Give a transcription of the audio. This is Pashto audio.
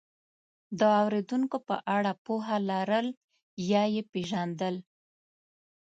د اورېدونکو په اړه پوهه لرل یا یې پېژندل،